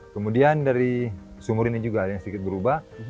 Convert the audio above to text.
kemudian dari sumur ini juga ada yang sedikit berubah